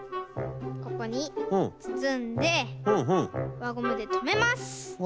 ここにつつんでわゴムでとめます。